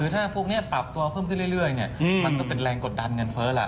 ถ้าพวกนี้ปรับตัวเพิ่มขึ้นเรื่อยมันก็เป็นแรงกดดันเงินเฟ้อล่ะ